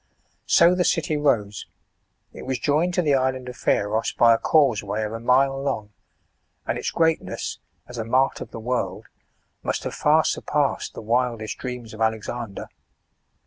So the city rose ; it was joined to the island of Pharos, by a c&useway of a mile long, and its great ness, as a mart of * the world, must have far surpassed the wildest dreams of Alexander.